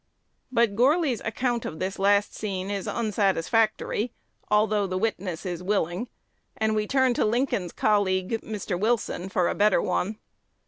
But Gourly's account of this last scene is unsatisfactory, although the witness is willing; and we turn to Lincoln's colleague, Mr. Wilson, for a better one.